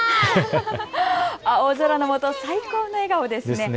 青空の下、最高の笑顔ですね。